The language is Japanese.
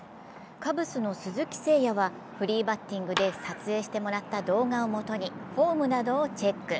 カブスの鈴木誠也はフリーバッティングで撮影してもらった動画をもとにフォームなどをチェック。